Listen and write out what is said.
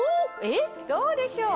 どうでしょう？